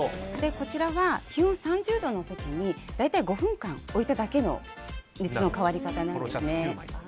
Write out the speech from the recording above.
こちらは、気温３０度の時に大体５分間置いただけの熱の変わり方なんですね。